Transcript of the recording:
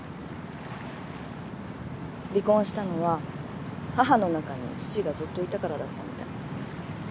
離婚したのは母の中に父がずっといたからだったみたい。